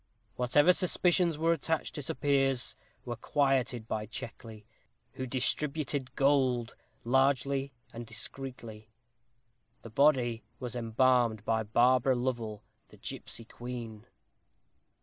Whatever suspicions were attached to Sir Piers were quieted by Checkley, who distributed gold, largely and discreetly. The body was embalmed by Barbara Lovel, the Gipsy Queen."